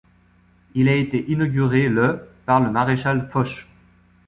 Il a été inauguré le par le maréchal Foch.